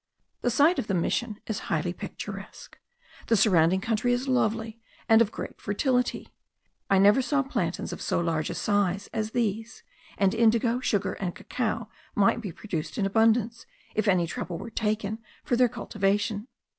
The site of the mission is highly picturesque; the surrounding country is lovely, and of great fertility. I never saw plantains of so large a size as these: and indigo, sugar, and cacao might be produced in abundance, if any trouble were taken for their cultivation.